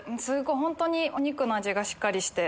本当にお肉の味がしっかりして。